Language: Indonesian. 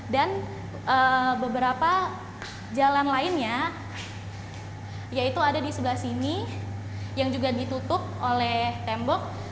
dan beberapa jalan lainnya yaitu ada di sebelah sini yang juga ditutup oleh tembok